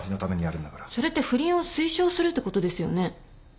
それって不倫を推奨するってことですよね？